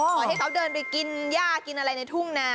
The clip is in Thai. ขอให้เขาเดินไปกินย่ากินอะไรในทุ่งนา